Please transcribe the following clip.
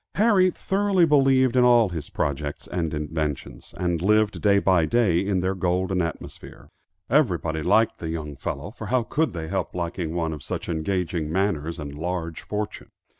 Harry thoroughly believed in all his projects and inventions, and lived day by day in their golden atmosphere. Everybody liked the young fellow, for how could they help liking one of such engaging manners and large fortune?